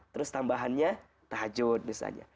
terus tambahannya tahajud misalnya